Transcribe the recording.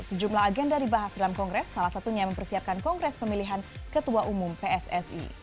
sejumlah agenda dibahas dalam kongres salah satunya mempersiapkan kongres pemilihan ketua umum pssi